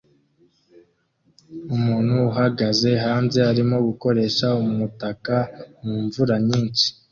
Umuntu uhagaze hanze arimo gukoresha umutaka mu mvura nyinshi